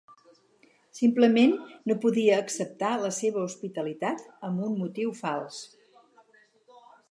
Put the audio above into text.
Simplement no podia acceptar la seva hospitalitat amb un motiu fals.